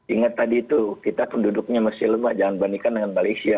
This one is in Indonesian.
ingat tadi itu kita penduduknya masih lemah jangan bandingkan dengan malaysia